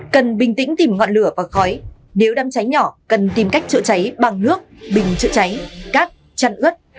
cần bình tĩnh tìm ngọn lửa và khói nếu đâm cháy nhỏ cần tìm cách trợ cháy bằng nước bình trợ cháy cát chăn ướt